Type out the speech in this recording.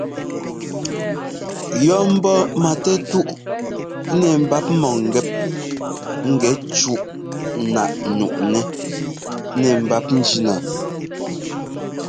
Yɔ́ ḿbɔ́ matɛtúꞌ nɛ mbap mɔ̂ŋgɛ́p ŋgɛ cúꞌ náꞌ nuꞌnɛ́ nɛ mbap njína.